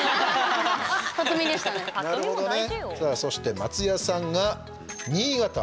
そして松也さんが、新潟。